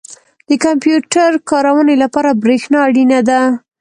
• د کمپیوټر کارونې لپاره برېښنا اړینه ده.